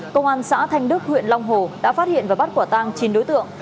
công an xã thanh đức huyện long hồ đã phát hiện và bắt quả tang chín đối tượng